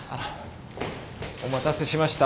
お待たせしました。